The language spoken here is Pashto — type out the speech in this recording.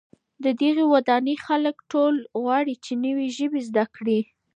د دغي ودانۍ خلک ټول غواړي چي نوې ژبې زده کړي.